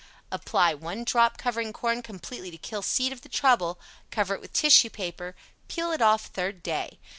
APPLY "One Drop," covering corn completely to kill seed of the trouble; cover it with tissue paper; peel it off third day.